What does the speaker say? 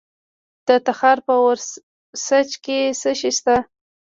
د تخار په ورسج کې څه شی شته؟